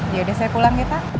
yaudah saya pulang ya pak